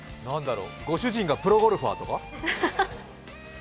ご主人がプロゴルファーとか？